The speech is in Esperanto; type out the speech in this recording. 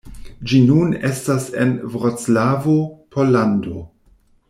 Ĝi nun estas en Vroclavo, Pollando.